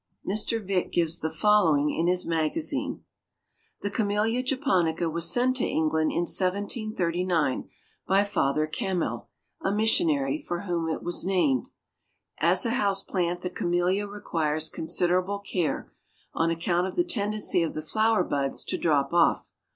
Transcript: Mr. Vick gives the following in his Magazine: "The Camellia Japonica was sent to England in 1739 by Father Kamel, a missionary, for whom it was named. As a house plant the Camellia requires considerable care, on account of the tendency of the flower buds to drop off.